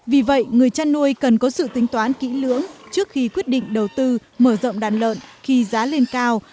vì vậy người chăn nuôi cần có sự tính toán kỹ lưỡng trước khi quyết định đầu tư mở rộng đàn lợn khi giá lên cao